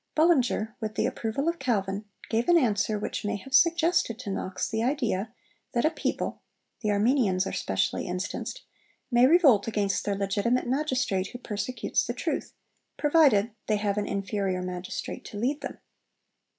Bullinger, with the approval of Calvin, gave an answer which may have suggested to Knox the idea that a people (the Armenians are specially instanced) may revolt against 'their legitimate magistrate' who persecutes the truth, provided they have an inferior magistrate to lead them.